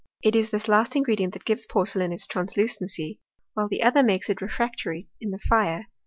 It is this last ingredient that gives porcelain its translucency^ while the other makes it refractory in the fire.